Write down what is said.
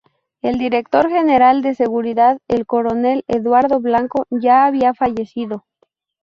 El director general de Seguridad, el coronel Eduardo Blanco, ya había fallecido.